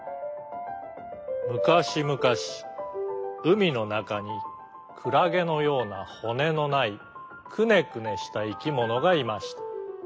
むかしむかしうみのなかにクラゲのようなほねのないくねくねしたいきものがいました。